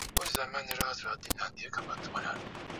Majeshi ya Tanzania yaliingia Uganda yaliivamia mji mkuu kampala